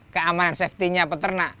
keamanan safety nya peternak